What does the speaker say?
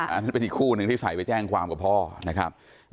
อันนั้นอีกคู่นึงที่ไส้ความทางแจ้งกับพ่อนะครับ